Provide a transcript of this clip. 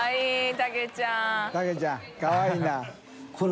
たけちゃんかわいいな。